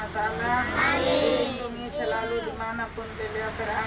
terlindungi selalu dimanapun beliau berada